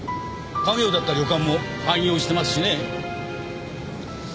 家業だった旅館も廃業してますしね。